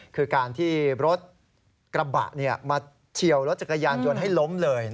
คือการที่รถกระบะมาเฉียวรถจักรยานยนต์ให้ล้มเลย